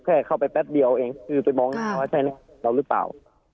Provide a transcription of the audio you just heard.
แค่เข้าไปแป๊บเดียวเองคือไปมองว่าใช่แล้วหรือเปล่า